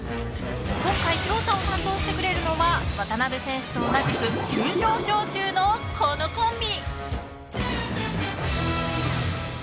今回、調査を担当してくれるのは渡辺選手と同じく急上昇中のこのコンビ。